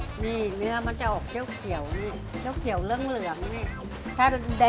นี่เนื้อมันจะออกเจ้าเขียวนี่เจ้าเขียวเรื่องเหลืองนี่